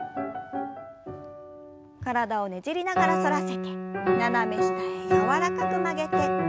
体をねじりながら反らせて斜め下へ柔らかく曲げて。